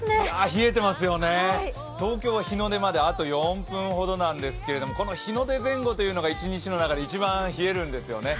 冷えてますよね、東京は日の出まであと４分ほどなんですけど、この日の出前後というのが１日の中で一番冷えるんですよね。